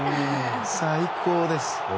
最高です。